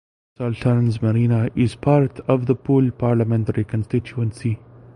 Salterns Marina is part of the Poole parliamentary constituency.